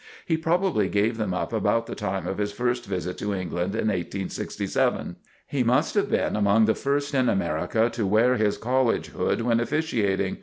He probably gave them up about the time of his first visit to England in 1867. He must have been among the first in America to wear his college hood when officiating.